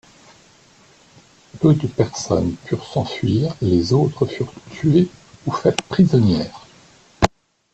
Peu de personnes purent s'enfuir, les autres furent tuées ou faites prisonnières.